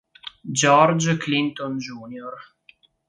George Clinton Jr.